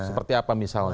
seperti apa misalnya